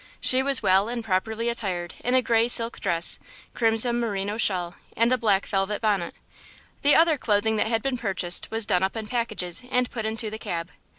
She was well and properly attired in a gray silk dress, crimson merino shawl and a black velvet bonnet. The other clothing that had been purchased was done up in packages and put into the cab.